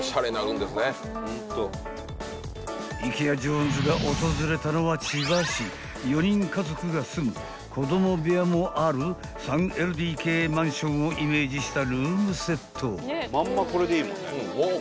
［イケア・ジョーンズが訪れたのは千葉市４人家族が住む子供部屋もある３ＬＤＫマンションをイメージしたルームセット］